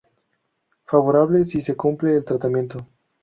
Favorable si se cumple el tratamiento.